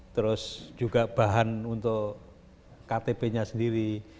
terus juga bahan untuk ktp nya sendiri